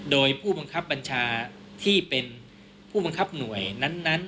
โดยผู้บังคับบัญชาที่เป็นผู้บังคับหน่วยนั้น